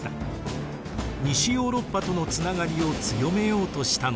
西ヨーロッパとのつながりを強めようとしたのです。